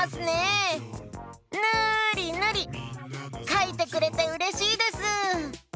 かいてくれてうれしいです！